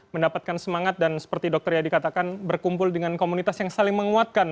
mendapatkan semangat dan seperti dr yadi katakan berkumpul dengan komunitas yang saling menguatkan